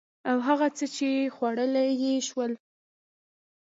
او هغه څه چې خوړلي يې شول